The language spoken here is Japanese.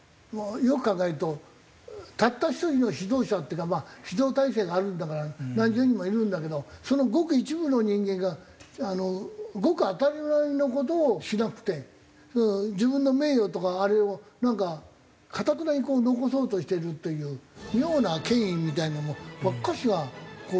よく考えるとたった一人の指導者っていうか指導体制があるんだから何十人もいるんだけどそのごく一部の人間がごく当たり前の事をしなくて自分の名誉とかあれをなんかかたくなに残そうとしてるっていう妙な権威みたいなのばっかしが。